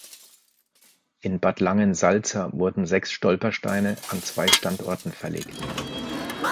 In Bad Langensalza wurden sechs Stolpersteine an zwei Standorten verlegt.